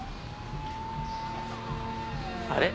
あれ？